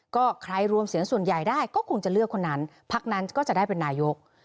ก็ใครรวมเสียงส่วนใหญ่ได้ก็คงจะเลือกคนนั้นพักนั้นก็จะได้เป็นนายก